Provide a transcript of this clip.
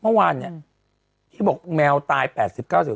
เมื่อวานเนี่ยที่บอกแมวตายแปดติบเก้าเจออ่า